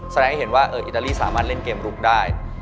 แสดงให้เห็นว่าอิตาลีสามารถเล่นเกมลุกได้